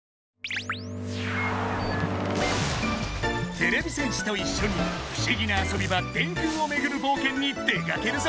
てれび戦士といっしょに不思議な遊び場電空をめぐる冒険に出かけるぞ！